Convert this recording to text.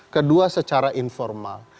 kedua secara informal